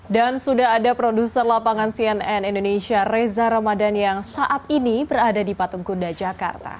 dan sudah ada produser lapangan cnn indonesia reza ramadan yang saat ini berada di patungkunda jakarta